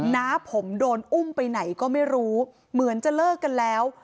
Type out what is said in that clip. น้าผมโดนอุ้มไปไหนก็ไม่รู้เหมือนจะเลิกกันแล้ว